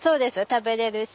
食べれるし。